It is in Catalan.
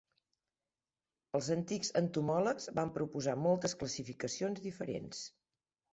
Els antics entomòlegs van proposar moltes classificacions diferents.